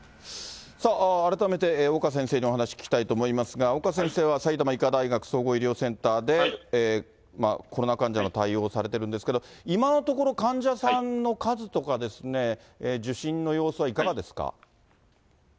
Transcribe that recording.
改めて岡先生にお話聞きたいと思いますが、岡先生は埼玉医科大学総合医療センターで、コロナ患者の対応をされてるんですけれども、今のところ、患者さんの数とか受診の様子はいかがですか？